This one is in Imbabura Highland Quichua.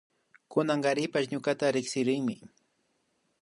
Kunankarishpa ñukata riksirinmi